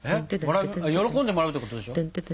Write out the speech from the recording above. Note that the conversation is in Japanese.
喜んでもらうってことでしょ？